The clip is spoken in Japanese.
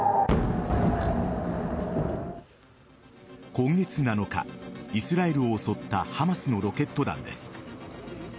今月７日、イスラエルを襲ったハマスのロケット弾です。